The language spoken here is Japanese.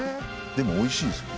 でもおいしいですよ。